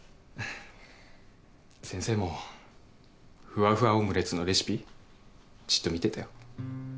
先生もふわふわオムレツのレシピじっと見てたよ。